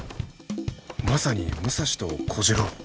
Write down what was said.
まさに武蔵と小次郎。